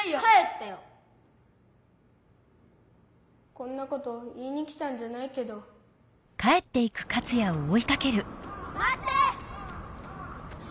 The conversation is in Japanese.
こんなこと言いに来たんじゃないけど。まって！